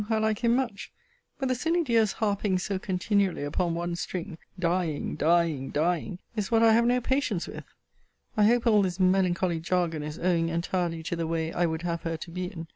I like him much. But the silly dear's harping so continually upon one string, dying, dying, dying, is what I have no patience with. I hope all this melancholy jargon is owing entirely to the way I would have her to be in.